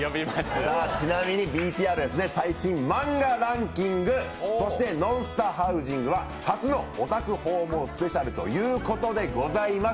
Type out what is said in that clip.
ちなみにＶＴＲは「最新マンガランキング」、そして「ノンスタハウジング」は初のお宅訪問スペシャルということでございます。